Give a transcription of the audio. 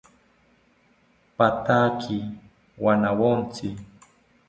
Pathaki wanawontzi